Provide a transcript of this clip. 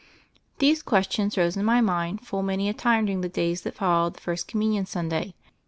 These questions rose in my mind full man^ a time during the days that followed the First Communion Sunday.